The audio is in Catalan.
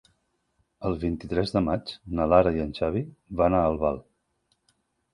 El vint-i-tres de maig na Lara i en Xavi van a Albal.